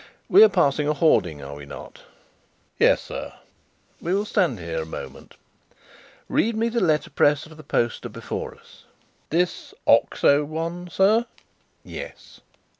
"We are passing a hoarding, are we not?" "Yes, sir." "We will stand here a moment. Read me the letterpress of the poster before us." "This 'Oxo' one, sir?" "Yes."